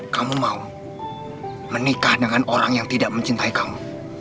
kamu mau menikah dengan orang yang tidak mencintai kamu